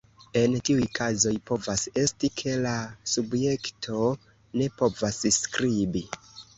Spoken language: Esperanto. En tiuj kazoj povas esti, ke la subjekto ne povas skribi.